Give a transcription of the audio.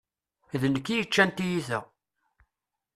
D nekk i yeččan tiyita.